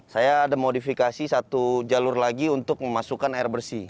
saya ada modifikasi satu jalur lagi untuk memasukkan air bersih